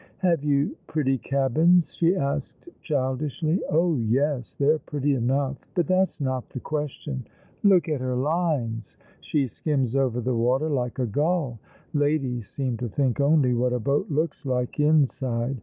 " Have you pretty cabins ?" she asked childishly. "Oh yes, they're pretty enough; but that's not the question. Look at her lines. She skims over the watci" like a gull. Ladies seem to think only what a boat looks like inside.